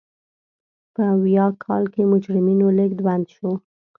په ویاه کال کې مجرمینو لېږد بند شو.